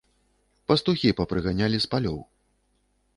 Пастухi папрыганялi з палёў.